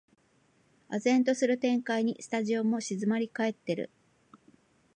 唖然とする展開にスタジオも静まりかえってる